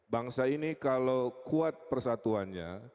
bangsa ini kalau kuat persatuannya